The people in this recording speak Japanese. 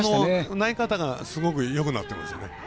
投げ方がすごくよくなってますね。